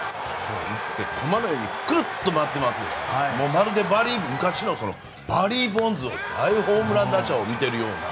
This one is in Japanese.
コマのようにくるって回っていますしまるで昔のバリー・ボンズのそんな大ホームラン打者を見ているような。